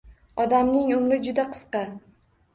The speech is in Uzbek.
Odamning umri juda qisqa